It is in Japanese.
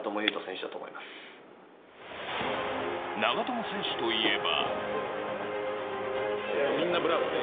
長友選手といえば。